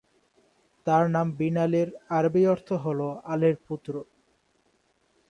তার নাম, বিনালি-র আরবি অর্থ হল আলীর পুত্র।